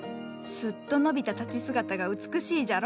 すっと伸びた立ち姿が美しいじゃろ。